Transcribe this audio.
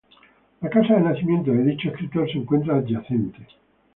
La casa de nacimiento de dicho escritor se encuentra adyacente.